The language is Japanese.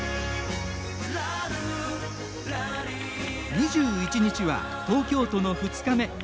２１日は東京都の２日目。